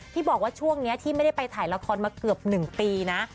ที่บอกว่าช่วงนี้ที่ไม่ได้ไปถ่ายละครมาเกือบ๑ปีนะ